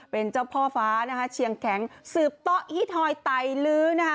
เป็นเจ้าฟ้าเจียงแข็งสืบต้อฮิทย์ไทยลื้อนั่นเองค่ะ